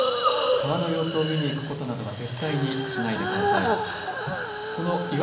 川の様子を見に行くことなどは絶対にしないでください。